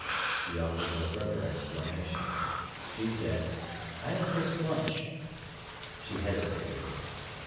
He offered no further explanation. She said, "I'll fix lunch." She hesitated.